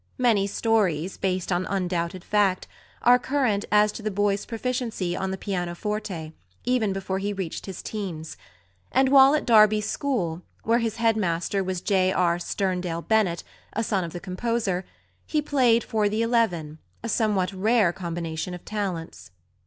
Many stories, based on undoubted fact, are current as to the boy's proficiency on the pianoforte, even before he reached his teens; and while at Derby School, where his headmaster was J. R. Sterndale Bennett, a son of the composer, he played for the eleven a somewhat rare combination of talents.